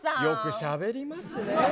よくしゃべりますね。